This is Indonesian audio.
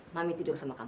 mami tidur sama kamu